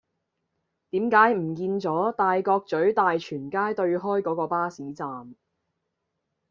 點解唔見左大角咀大全街對開嗰個巴士站